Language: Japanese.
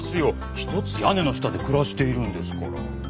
一つ屋根の下で暮らしているんですから。